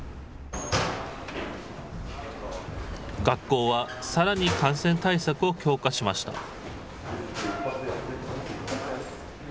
学校はさらに感染対策を強化しました。